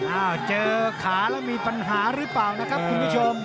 อ้าวเจอขาแล้วมีปัญหาหรือเปล่านะครับคุณผู้ชม